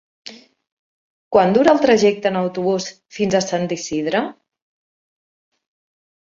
Quant dura el trajecte en autobús fins a Sant Isidre?